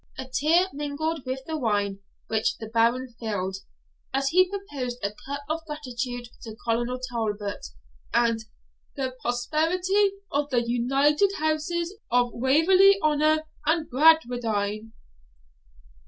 A tear mingled with the wine which the Baron filled, as he proposed a cup of gratitude to Colonel Talbot, and 'The Prosperity of the united Houses of Waverley Honour and Bradwardine!'